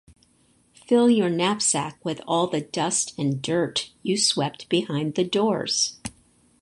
Fill your knapsack with all the dust and dirt you swept behind the doors.